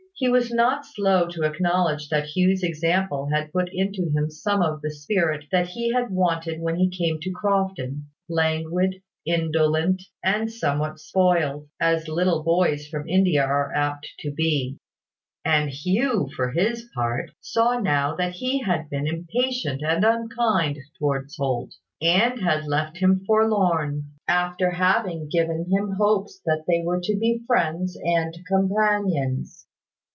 He was not slow to acknowledge that Hugh's example had put into him some of the spirit that he had wanted when he came to Crofton, languid, indolent, and somewhat spoiled, as little boys from India are apt to be; and Hugh, for his part, saw now that he had been impatient and unkind towards Holt, and had left him forlorn, after having given him hopes that they were to be friends and companions.